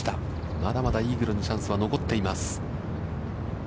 まだまだイーグルのチャンスは残っています。